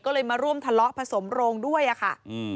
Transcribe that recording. ก็เลยมาร่วมทะเลาะผสมโรงด้วยอะค่ะ